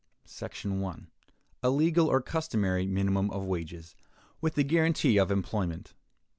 § 1. A Legal or Customary Minimum of Wages, with a Guarantee of Employment.